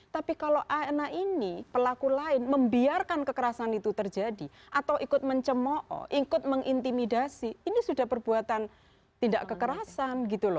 tapi kalau ana ini pelaku lain membiarkan kekerasan itu terjadi atau ikut mencemo'o ikut mengintimidasi ini sudah perbuatan tidak kekerasan